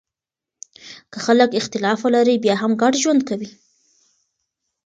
که خلګ اختلاف ولري بیا هم ګډ ژوند کوي.